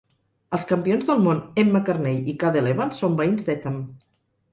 Els campions del món Emma Carney i Cadel Evans són veïns d'Etham.